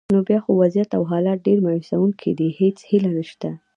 نو بیا خو وضعیت او حالات ډېر مایوسونکي دي، هیڅ هیله نشته.